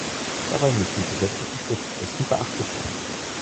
Dabei müssen die gesetzlichen Schutzfristen beachtet werden.